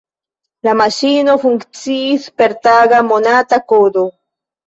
La maŝino funkciis per taga, monata kodo.